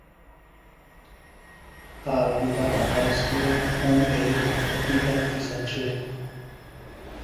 তার পিতা Tata steel and co এর টেকনিক্যাল অফিসার ছিলেন।